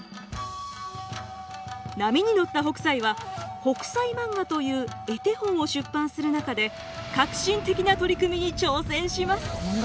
波に乗った北斎は「北斎漫画」という絵手本を出版する中で革新的な取り組みに挑戦します。